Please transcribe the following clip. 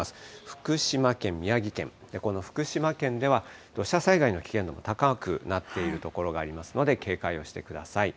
福島県、宮城県、この福島県では土砂災害の危険度も高くなっている所がありますので、警戒をしてください。